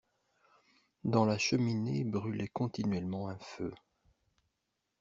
Dans la cheminée brûlait continuellement un feu.